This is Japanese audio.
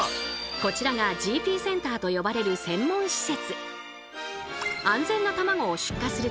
こちらがＧＰセンターと呼ばれる専門施設。